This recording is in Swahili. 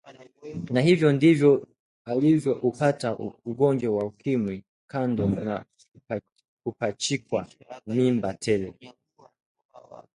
Na hivyo ndivyo alivyoupata ugonjwa wa ukimwi kando na kupachikwa mimba tele